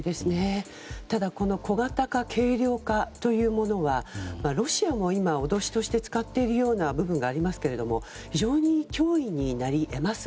ただ、小型化軽量化というものはロシアも今、脅しとして使っている部分がありますが非常に脅威になり得ます。